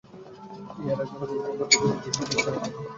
ইঁহারাই জগতের চিন্তানায়ক, প্রেরিতপুরুষ, জীবনের বার্তাবহ, ঈশ্বরাবতার।